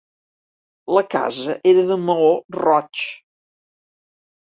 La casa era de maó roig.